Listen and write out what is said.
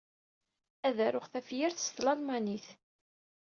Ad d-aruɣ tafyirt s tlalmanit.